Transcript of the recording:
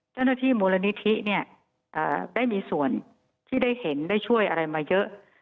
เจ้าหน้าที่มูลนิธิเนี่ยได้มีส่วนที่ได้เห็นได้ช่วยอะไรมาเยอะ